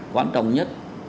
quan trọng nhất